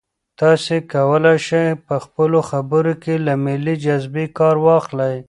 تاسي کولای شئ په خپلو خبرو کې له ملي جذبې کار واخلئ.